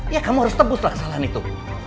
ya kamu harus tebuslah kesalahan itu